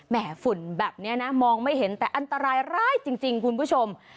ฝุ่นแบบนี้นะมองไม่เห็นแต่อันตรายร้ายจริงคุณผู้ชม